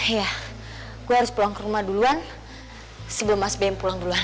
iya gue harus pulang ke rumah duluan sebelum mas bem pulang